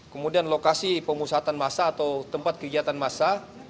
kemudian lokasi pengusahaan masa atau tempat kegiatan masa